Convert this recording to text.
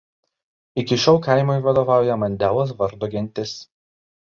Iki šiol kaimui vadovauja Mandelos vardo gentis.